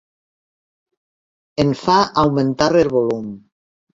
En fa augmentar el volum.